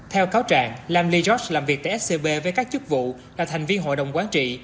theo cáo trạng lam lee george làm việc tại scb với các chức vụ là thành viên hội đồng quán trị